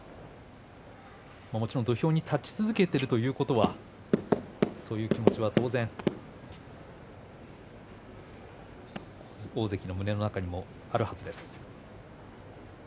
土俵に立ち続けているということはそういう気持ちは当然大関の胸の中にはあるはずです。